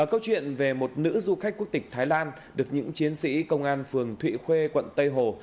câu chuyện về một nữ du khách quốc tịch thái lan được những chiến sĩ công an phường thụy khuê quận tây hồ